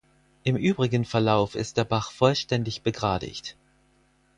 Im übrigen Verlauf ist der Bach vollständig begradigt.